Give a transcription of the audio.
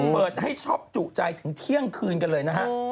เปิดให้ช็อปจุใจถึงเที่ยงคืนกันเลยนะฮะ